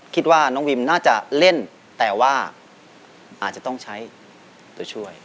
คิดว่าน้องวิมน่าจะเล่นแต่ว่าอาจจะต้องใช้ตัวช่วย